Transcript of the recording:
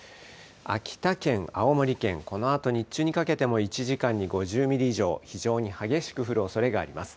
秋田県、青森県、このあと、日中にかけても１時間に５０ミリ以上、非常に激しく降るおそれがあります。